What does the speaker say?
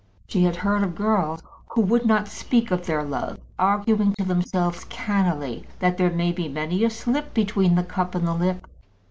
She had heard of girls who would not speak of their love, arguing to themselves cannily that there may be many a slip between the cup and the lip.